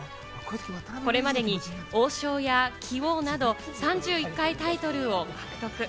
これまでに王将や棋王など３１回タイトルを獲得。